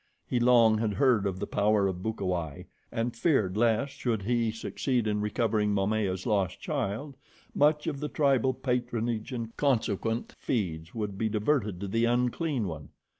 He long had heard of the power of Bukawai, and feared lest, should he succeed in recovering Momaya's lost child, much of the tribal patronage and consequent fees would be diverted to the unclean one.